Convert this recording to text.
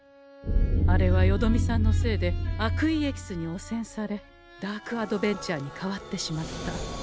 あれはよどみさんのせいで悪意エキスにおせんされダークアドベン茶に変わってしまった。